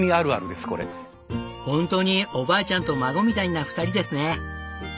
本当におばあちゃんと孫みたいな２人ですね。